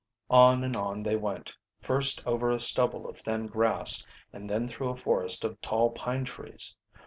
On and on they went, first over a stubble of thin grass and then through a forest of tall pine trees.